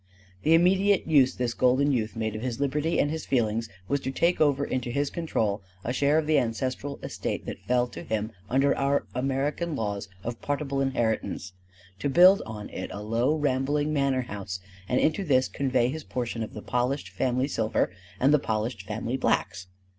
The immediate use this golden youth made of his liberty and his Feelings was to take over into his control a share of the ancestral estate that fell to him under our American laws of partible inheritance; to build on it a low rambling manor house; and into this to convey his portion of the polished family silver and the polished family blacks.